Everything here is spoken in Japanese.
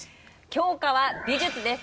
教科は美術です。